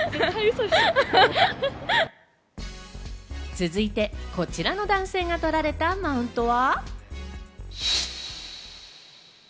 続いて、こちらの男性が取られたマウントは。